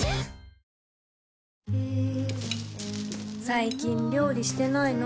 最近料理してないの？